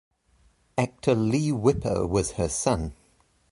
Actor Leigh Whipper was her son.